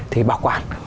thì bảo quản